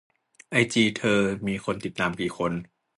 ไอจีเธอมีคนติดตามกี่คน